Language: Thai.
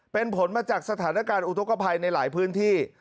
เป็นผลมาจากสถานการณ์อุทธกภัยในหลายพื้นที่